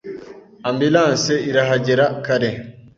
Ambulanse irahagera kare